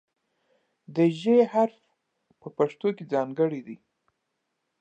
د "ژ" حرف په پښتو کې ځانګړی دی.